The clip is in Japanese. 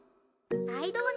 ライドウ